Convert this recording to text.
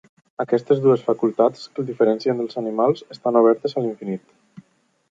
Aquestes dues facultats, que el diferencien dels animals, estan obertes a l'infinit.